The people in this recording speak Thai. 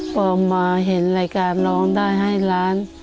พอมาเห็นรายการร้องได้ให้ล้าน